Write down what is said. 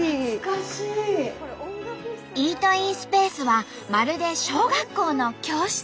イートインスペースはまるで小学校の教室。